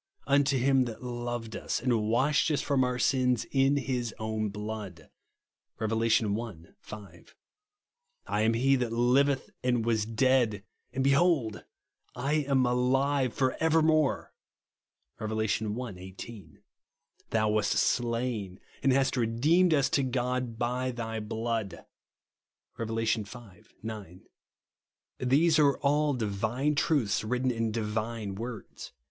Unto him that loved us, and washed us from our sins in Ms oiun blood" (Rev. i. 5). " I am He that liveth and was dead, and behold / ain alive for evermore" (Rev. i. 18). " Thou wast slain, and hast redeemed us to God by thy blood," (Rev. V. 9). These are all divine truths written in divine words.